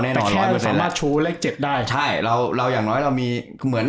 แน่นอนแต่แค่สามารถชู้เลขเจ็บได้ใช่เราเราอย่างน้อยเรามีเหมือน